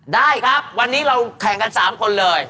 ได้ครับวันนี้เราแข่งกัน๓คนเลย